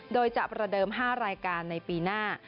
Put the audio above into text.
โดยจะประเดิม๕รายการในปีหน้า